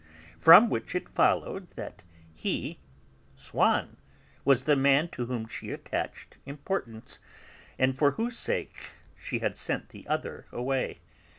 From which it followed that he, Swann, was the man to whom she attached importance, and for whose sake she had sent the other away.